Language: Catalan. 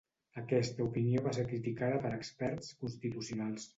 Aquesta opinió va ser criticada per experts constitucionals.